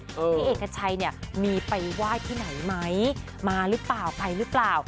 พี่เอกชัยเนี่ยมีไปไหว้ที่ไหนไหมมาหรือเปล่าไปหรือเปล่า